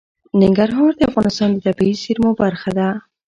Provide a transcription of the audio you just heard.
ننګرهار د افغانستان د طبیعي زیرمو برخه ده.